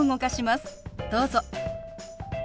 どうぞ。